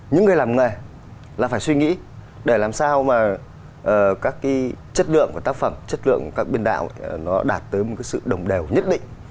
những người làm nghề là phải suy nghĩ để làm sao mà các cái chất lượng của tác phẩm chất lượng của các biên đạo nó đạt tới một cái sự đồng đều nhất định